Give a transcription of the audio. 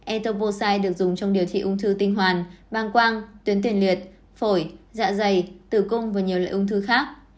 etoposide được dùng trong điều trị ung thư tinh hoàn băng quang tuyến tuyển liệt phổi dạ dày tử cung và nhiều loại ung thư khác